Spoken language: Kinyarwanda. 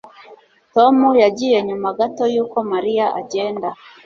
Tom yagiye nyuma gato yuko Mariya agenda